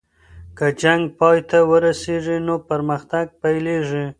که جنګ پای ته ورسیږي نو پرمختګ پیلیږي.